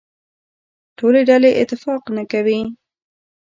ټولې ډلې اتفاق نه کوي.